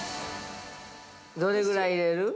◆どれぐらい入れる？